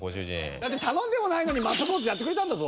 だって頼んでもないのにマッチョポーズやってくれたんだぞ！